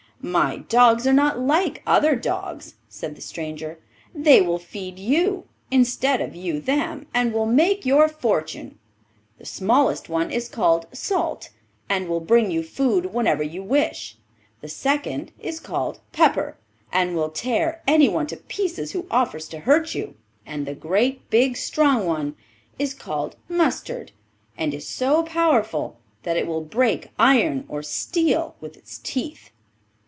'My dogs are not like other dogs,' said the stranger; 'they will feed you instead of you them, and will make your fortune. The smallest one is called "Salt," and will bring you food whenever you wish; the second is called "Pepper," and will tear anyone to pieces who offers to hurt you; and the great big strong one is called "Mustard," and is so powerful that it will break iron or steel with its teeth.